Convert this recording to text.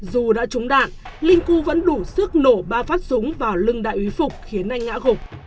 dù đã trúng đạn linh cư vẫn đủ sức nổ ba phát súng vào lưng đại úy phục khiến anh ngã gục